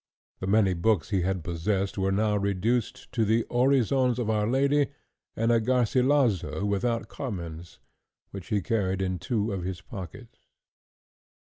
The many books he had possessed were now reduced to the "Orisons of Our Lady," and a "Garcilaso without Comments," which he carried in two of his pockets.